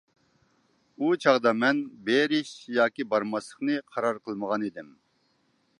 ئۇ چاغدا مەن بېرىش ياكى بارماسلىقنى قارار قىلمىغانىدىم.